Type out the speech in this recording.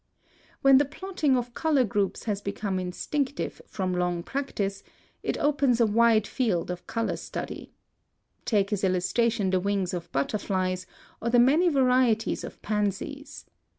(174) When the plotting of color groups has become instinctive from long practice, it opens a wide field of color study. Take as illustration the wings of butterflies or the many varieties of pansies.